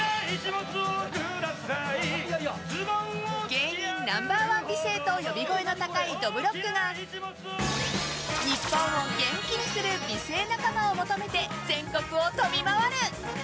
芸人ナンバー１美声と呼び声の高い、どぶろっくが日本を元気にする美声仲間を求めて全国を飛び回る。